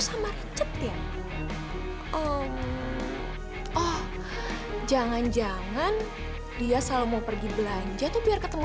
sampai jumpa di video selanjutnya